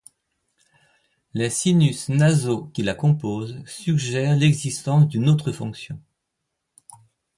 Les sinus nasaux qui la composent suggèrent l'existence d'une autre fonction.